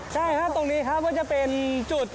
ใช่ครับตรงนี้ครับก็จะเป็นจุด